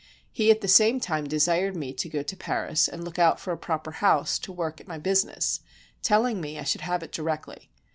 He at the same time desired me to go to Paris and look out for a proper house to work at my business, telling me I should have it directly.